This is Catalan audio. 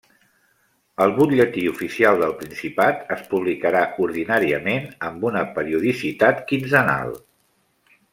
El Butlletí Oficial del Principat es publicarà ordinàriament amb una periodicitat quinzenal.